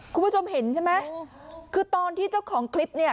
คุณผู้ชมเห็นใช่ไหมคือตอนที่เจ้าของคลิปเนี่ย